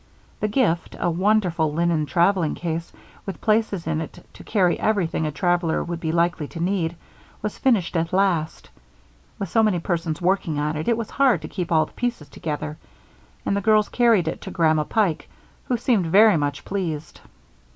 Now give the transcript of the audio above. The gift, a wonderful linen traveling case with places in it to carry everything a traveler would be likely to need, was finished at last with so many persons working on it, it was hard to keep all the pieces together and the girls carried it to Grandma Pike, who seemed very much pleased.